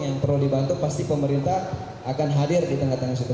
yang perlu dibantu pasti pemerintah akan hadir di tengah tengah situ